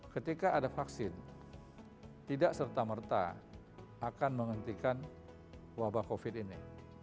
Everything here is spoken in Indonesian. ketika ada vaksin tidak serta merta akan menghentikan wabah covid ini